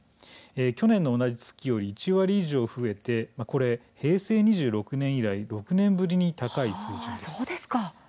去年の同じ月より１割以上増えて平成２６年以来、６年ぶりに高い水準です。